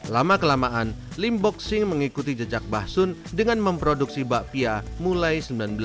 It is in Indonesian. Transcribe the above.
lama kelamaan lim bok sing mengikuti jejak bah sun dengan memproduksi bakpia mulai seribu sembilan ratus empat puluh delapan